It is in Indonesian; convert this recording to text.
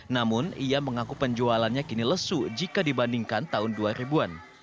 namun ia mengaku penjualannya kini lesu jika dibandingkan tahun dua ribu an